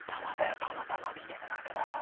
たまたま見てただけだろ。